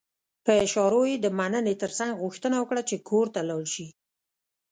په اشارو يې د مننې ترڅنګ غوښتنه وکړه چې کور ته لاړ شي.